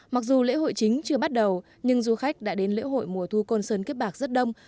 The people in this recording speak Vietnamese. mặc dù lễ hội chính chưa bắt đầu nhưng du khách đã đến lễ hội mùa thu côn sơn kiếp bạc rất đông